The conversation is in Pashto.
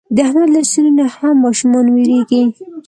د احمد له سیوري نه هم ماشومان وېرېږي.